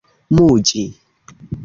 muĝi